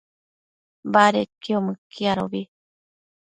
badedquio mëquiadobi